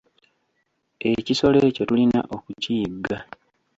Ekisolo ekyo tulina okukiyigga.